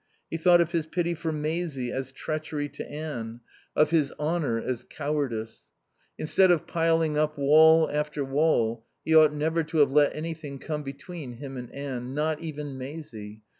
He thought of his pity for Maisie as treachery to Anne, of his honour as cowardice. Instead of piling up wall after wall, he ought never to have let anything come between him and Anne. Not even Maisie.